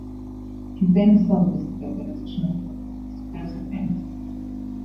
He then served as the organization's first Vice President.